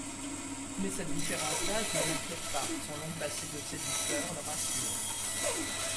Mais cette différence d’âge ne l’inquiète pas, son long passé de séducteur le rassure.